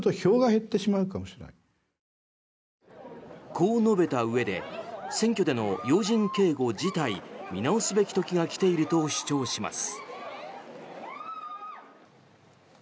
こう述べたうえで選挙での要人警護自体見直すべき時が来ていると主張します。